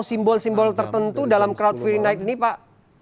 ada simbol simbol tertentu dalam crowd free night ini pak